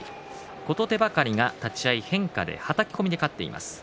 琴手計が立ち合い変化ではたき込みで勝っています。